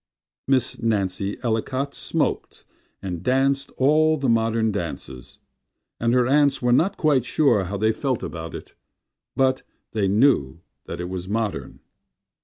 Miss Nancy Ellicott smoked And danced all the modern dances; And her aunts were not quite sure how they felt about it, But they knew that it was modern.